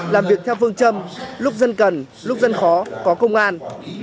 làm việc theo phương châm lúc dân cần lúc dân khó có công an